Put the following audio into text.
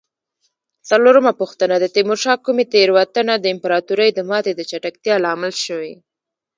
څلورمه پوښتنه: د تیمورشاه کومې تېروتنه د امپراتورۍ د ماتې د چټکتیا لامل شوې؟